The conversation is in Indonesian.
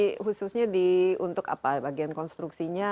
khususnya di untuk apa bagian konstruksinya